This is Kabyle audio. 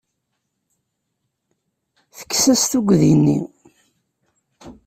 Tekkes-as tuggdi-nni.